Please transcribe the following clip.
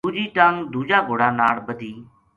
دوجی ٹنگ دوجا گھوڑا ناڑ بَدھی